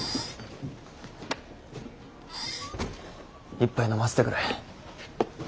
一杯飲ませてくれ。